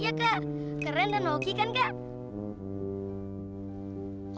ya kak keren dan hoki kan kak